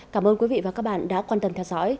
cảm ơn quý vị và các bạn đã quan tâm theo dõi